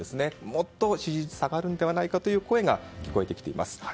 もっと支持率下がるのではないかという声が聞こえてきています。